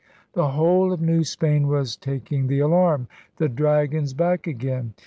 The whole of New Spain was tak ing the alarm — The Dragon's back again!